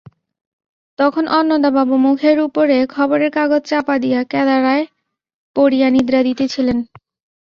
তখন অন্নদাবাবু মুখের উপরে খবরের কাগজ চাপা দিয়া কেদারায় পড়িয়া নিদ্রা দিতেছিলেন।